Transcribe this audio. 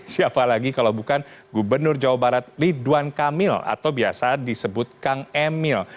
siapa lagi kalau bukan gubernur jawa barat ridwan kamil atau biasa disebut kang emil